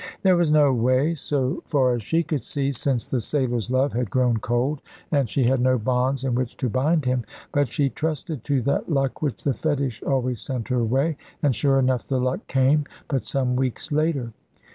There was no way, so far as she could see, since the sailor's love had grown cold, and she had no bonds in which to bind him. But she trusted to that luck which the fetish always sent her way, and sure enough the luck came, but some weeks later.